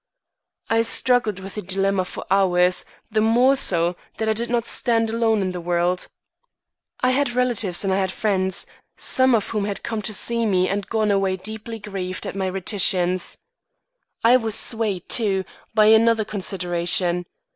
I struggled with the dilemma for hours, the more so, that I did not stand alone in the world. I had relatives and I had friends, some of whom had come to see me and gone away deeply grieved at my reticence. I was swayed, too, by another consideration.